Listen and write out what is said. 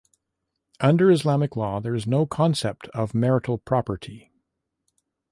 Under Islamic law, there is no concept of marital property.